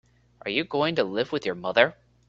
Are you going to live with your mother?